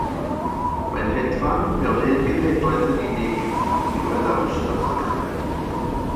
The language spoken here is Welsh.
Mae'n hedfan mewn un genhedlaeth yn unig, rhwng diwedd Awst a Thachwedd.